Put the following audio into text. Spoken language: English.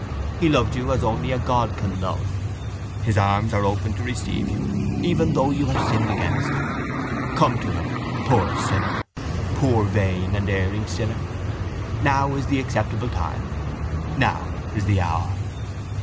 He loved you as only a God can love. His arms are open to receive you even though you have sinned against Him. Come to Him, poor sinner, poor vain and erring sinner. Now is the acceptable time. Now is the hour.